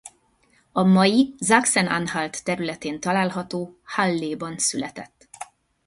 A mai Sachsen-Anhalt területén található Halléban született.